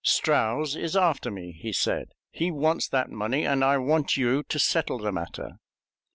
"Strouse is after me," he said; "he wants that money, and I want you to settle the matter."